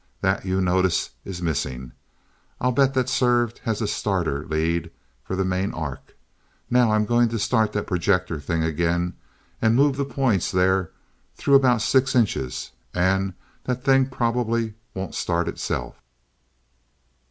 That, you notice, is missing. I'll bet that served as a starter lead for the main arc. Now I'm going to start that projector thing again, and move the points there through about six inches, and that thing probably won't start itself."